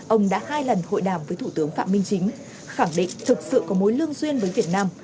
ông đã hai lần hội đàm với thủ tướng phạm minh chính khẳng định thực sự có mối lương duyên với việt nam